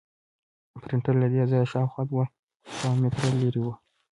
پرنټر له دې ځایه شاوخوا دوه سوه متره لرې و.